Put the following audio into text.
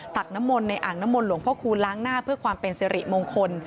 ตักน้ำมนต์ในอ่างน้ำมนต์หลวงพ่อคูณล้างหน้าเพื่อความเป็นสิริมงคล